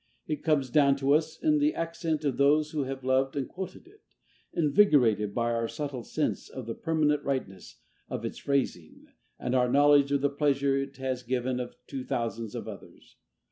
It comes down to us in the accent of those who have loved and quoted it, invigorated by our subtle sense of the permanent rightness of its phrasing and our knowledge of the pleasure it has given to thousands of others.